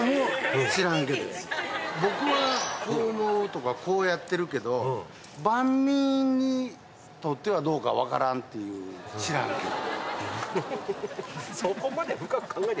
僕はこう思うとかこうやってるけど万人にとってはどうかわからんっていう知らんけど。